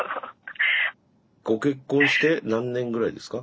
ご結婚して何年ぐらいですか？